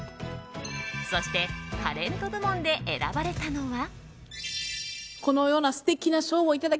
そしてタレント部門で選ばれたのは。